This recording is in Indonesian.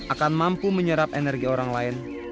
akan mampu menyerap energi orang lain